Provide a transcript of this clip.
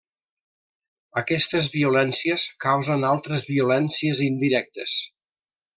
Aquestes violències causen altres violències indirectes.